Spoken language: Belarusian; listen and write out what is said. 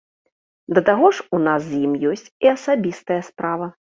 Да таго ж у нас з ім ёсць і асабістая справа.